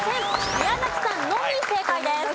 宮崎さんのみ正解です。